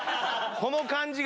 この感じがいい！